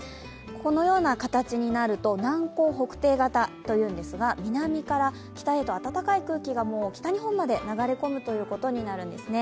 このような形になると南高北低型というんですが、南から北へと暖かい空気が北日本まで流れ込むことになるんですね。